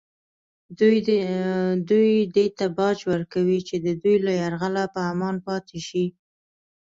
دوی دې ته باج ورکوي چې د دوی له یرغله په امان پاتې شي